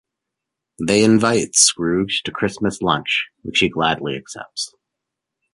They invite Scrooge to Christmas lunch, which he gladly accepts.